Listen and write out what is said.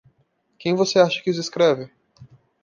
Quem você acha que os escreve?